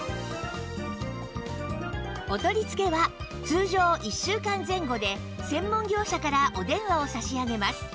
お取り付けは通常１週間前後で専門業者からお電話を差し上げます